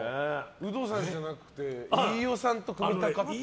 ウドさんじゃなくて飯尾さんと組みたかったって。